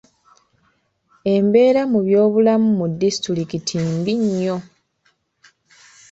Embeera mu byobulamu mu disitulikiti mbi nnyo.